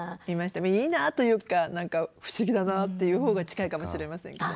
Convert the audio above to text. いいなというか何か不思議だなっていう方が近いかもしれませんけど。